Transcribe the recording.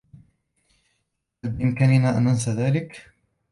هل بإمكاننا أن ننسى ذلك؟